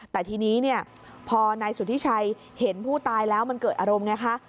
แต่ทีนี้เนี่ยพอนายสุธิชัยเห็นผู้ตายแล้วมันเกิดอารมณ์ไงคะ